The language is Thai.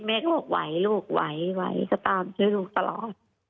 แม่ก็บอกไหวลูกไหวก็ตามช่วยลูกตลอด